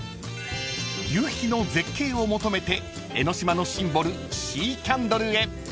［夕日の絶景を求めて江の島のシンボルシーキャンドルへ］